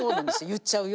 「言っちゃうよ」